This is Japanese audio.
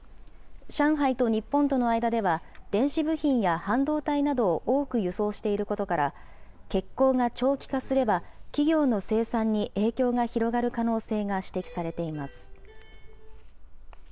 上海と日本との間では、電子部品や半導体などを多く輸送していることから、欠航が長期化すれば、企業の生産に影響が広がる可能性が指摘されています。